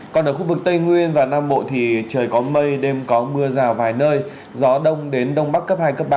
còn ở khu vực tây nguyên và nam bộ thì trời có mây đêm có mưa rào vài nơi gió đông đến đông bắc cấp hai ba